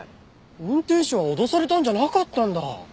運転手は脅されたんじゃなかったんだ。